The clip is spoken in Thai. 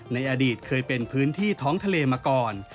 ในอดีตเคยเป็นพื้นที่ท้องทะเลมาก่อน